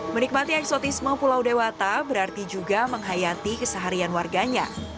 menikmati eksotisme pulau dewata berarti juga menghayati keseharian warganya